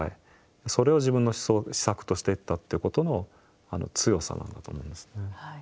それを自分の思想・思索としていったってことの強さなんだと思いますね。